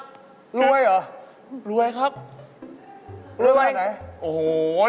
ถ้าเป็นปากถ้าเป็นปาก